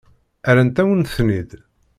Rrant-awen-ten-id?